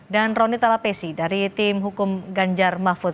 dan roni talapesi dari tim hukum ganjar mahfud